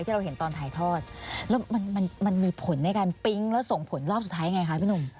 เราเห็นตอนถ่ายทอดแล้วมันมันมีผลในการปิ๊งแล้วส่งผลรอบสุดท้ายไงคะพี่หนุ่ม